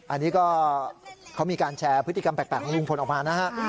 อันนี้ก็เขามีการแชร์พฤติกรรมแปลกของลุงพลออกมานะฮะ